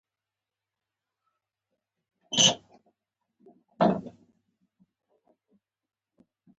مشر ورور د خپلې لور نوم شیرینو کېښود.